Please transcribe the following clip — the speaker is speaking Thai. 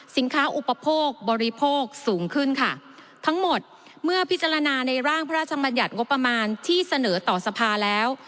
อุปโภคบริโภคสูงขึ้นค่ะทั้งหมดเมื่อพิจารณาในร่างพระราชบัญญัติงบประมาณที่เสนอต่อสภาแล้ว